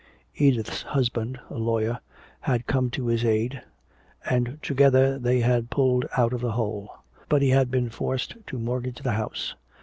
Edith's husband, a lawyer, had come to his aid and together they had pulled out of the hole. But he had been forced to mortgage the house.